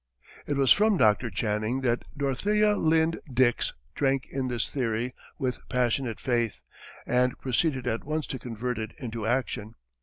It was from Dr. Channing that Dorothea Lynde Dix drank in this theory with passionate faith, and proceeded at once to convert it into action.